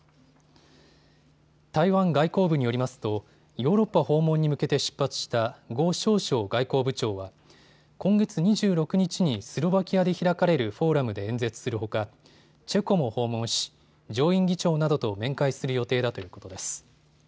台湾外交部によりますとヨーロッパ訪問に向けて出発した呉しょう燮外交部長は今月２６日にスロバキアで開かれるフォーラムで演説するほかチェコも訪問し上院議長などと面会する予定だということです。